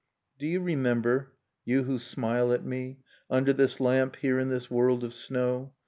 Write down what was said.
Do you remember, you who smile at me. Under this lamp, here in this world of snow.